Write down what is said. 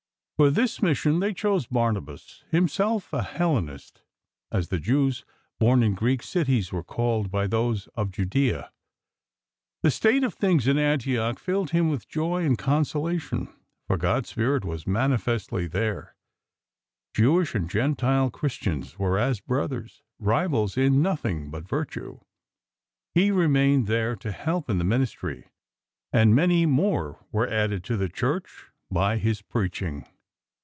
For this mission they chose Barnabas;; himself a Hellenist, as the Jews born in Greek; cities were called by those of Judea. The 32 LIFE OF ST. PAUL state of things in Antioch filled him with joy and consolation, for God's Spirit was mani festly there. Jewish and Gentile Christians were as brothers, rivals in nothing but virtue. He remained there to help in the ministry, and many more were added to the Church by his preaching.